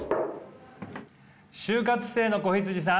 就活生の子羊さん。